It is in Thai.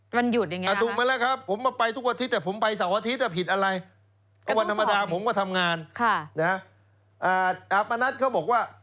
มันหยุดอย่างนี้ครับครับนะครับ